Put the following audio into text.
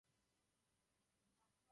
Od té doby se oprava táhne do dnešních dnů.